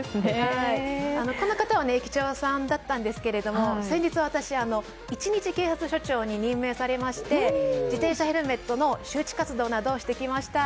この方は駅長さんだったんですけれども先日私、一日警察署長に任命されまして自転車ヘルメットの周知活動などをしてきました。